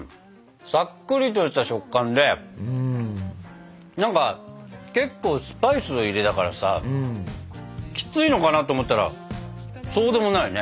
さっくりとした食感でなんか結構スパイス入れたからさキツイのかなと思ったらそうでもないね。